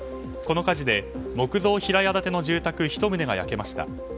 この火事で木造平屋建ての住宅１棟が焼けました。